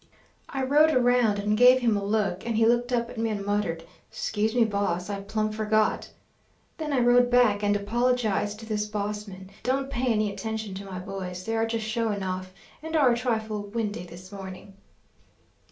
I rode around and gave him a look, and he looked up at me and muttered, 'Scuse me, boss, I plumb forgot!' Then I rode back and apologized to this boss man: 'Don't pay any attention to my boys; they are just showing off, and are a trifle windy this morning.'